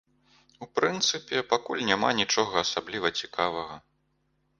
У прынцыпе, пакуль няма нічога асабліва цікавага.